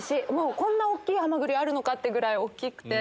こんな大きいハマグリあるのかってぐらい大きくて。